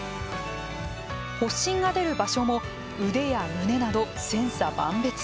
発疹が出る場所も腕や胸など千差万別。